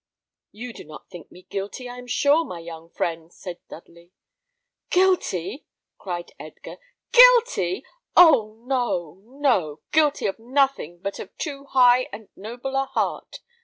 "You do not think me guilty, I am sure, my young friend," said Dudley. "Guilty!" cried Edgar "guilty! Oh! no, no; guilty of nothing but of too high and noble a heart.